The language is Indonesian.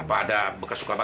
apa ada bekas suka apa